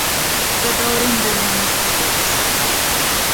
Bedaŭrinde mi ne scias.